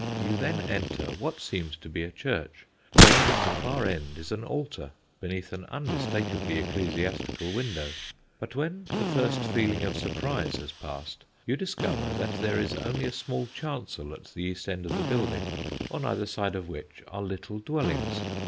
You then enter what seems to be a church, for at the far end is an altar beneath an unmistakably ecclesiastical window. But when the first feeling of surprise has passed, you discover that there is only a small chancel at the east end of the building, on either side of which are little dwellings.